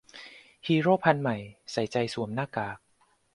ฮีโร่พันธุ์ใหม่ ใส่ใจสวมหน้ากาก